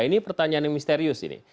ini pertanyaan yang misterius ini